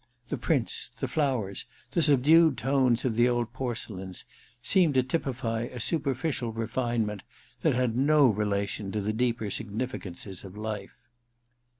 The prints, the flowers, the subdued tones of the old porcelains, seemed to typify a superficial refinement which had no relation to the deeper significances of life.